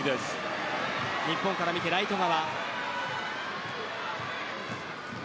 日本から見てライト側。